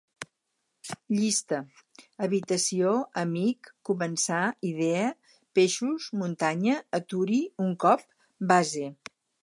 Llista: habitació, amic, començar, idea, peixos, muntanya, aturi, un cop, base